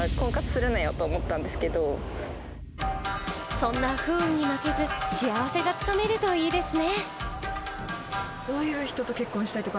そんな不運に負けず、幸せがつかめるといいですね。